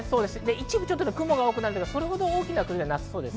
一部、雲が多くなりますが、それほど大きな崩れはなさそうです。